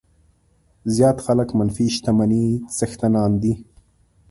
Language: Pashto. زیات خلک منفي شتمنۍ څښتنان دي.